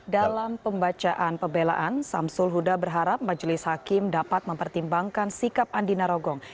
dalam pembacaan pembelaan samsul huda berharap majelis hakim dapat mempertimbangkan sikap andi narogong